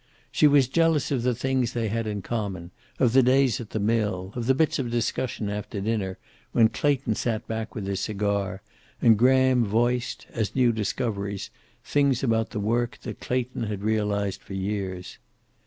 She was jealous of the things they had in common, of the days at the mill, of the bits of discussion after dinner, when Clayton sat back with his cigar, and Graham voiced, as new discoveries, things about the work that Clayton had realized for years.